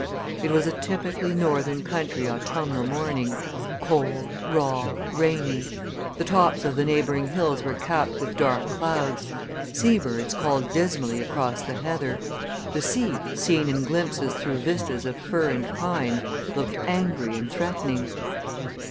It was a typically North Country autumnal morning, cold, raw, rainy; the tops of the neighbouring hills were capped with dark clouds; sea birds called dismally across the heather; the sea, seen in glimpses through vistas of fir and pine, looked angry and threatening.